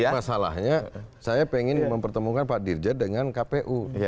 ini masalahnya saya pengen mempertemukan pak dirjat dengan kpu